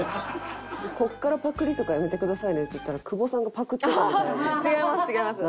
「ここからパクリとかやめてくださいね」って言ったら久保さんがパクってたみたい。